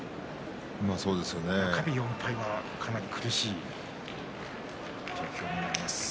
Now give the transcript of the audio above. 中日で４敗は、かなり苦しい数字になってきます。